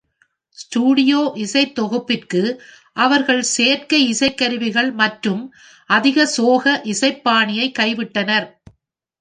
Studio இசைத்தொகுப்பிற்கு, அவர்கள் செயற்கை இசைக்கருவிகள் மற்றும் “அதிக சோக” இசைப்பாணியை கைவிட்டனர்.